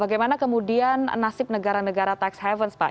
bagaimana kemudian nasib negara negara tax havens pak